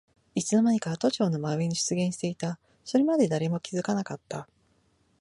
いつのまにか都庁の真上に出現していた。それまで誰も気づかなかった。